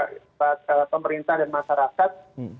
kepada pemerintah dan masyarakat